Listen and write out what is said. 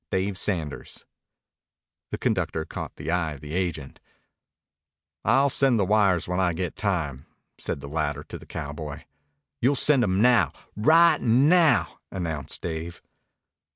DAVE SANDERS The conductor caught the eye of the agent. "I'll send the wires when I get time," said the latter to the cowboy. "You'll send 'em now right now," announced Dave.